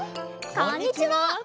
こんにちは！